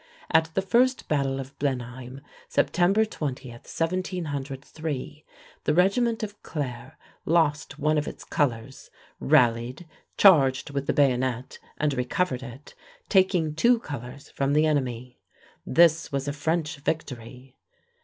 At the first battle of Blenheim, September 20, 1703, the regiment of Clare lost one of its colors, rallied, charged with the bayonet and recovered it, taking two colors from the enemy. This was a French victory.